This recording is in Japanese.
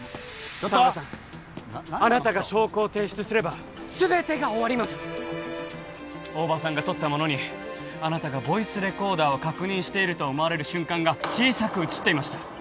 ちょっとあなたが証拠を提出すれば全てが終わります大庭さんが撮ったものにあなたがボイスレコーダーを確認していると思われる瞬間が小さく写っていました